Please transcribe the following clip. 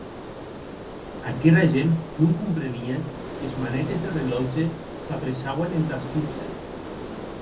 Aquera gent non comprenie qu'es manetes deth relòtge s'apressauen entàs dotze.